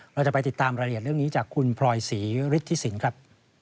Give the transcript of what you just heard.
เราจะไปติดตามรายละเอียดเรื่องนี้จากคุณพลอยศรีฤทธิสินครับ